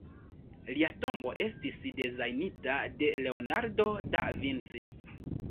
Lia tombo estis dezajnita de Leonardo da Vinci.